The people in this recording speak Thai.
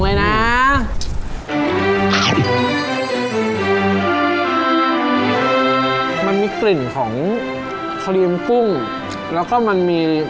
แล้วก็มันมี